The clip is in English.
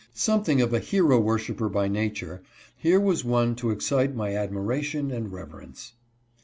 Something of a hero worshiper by nature, here was one to excite my admiration and reverence.